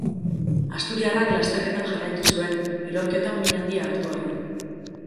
Asturiarrak lasterketan jarraitu zuen, erorketan min handia hartu arren.